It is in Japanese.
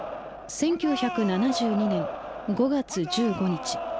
１９７２年５月１５日。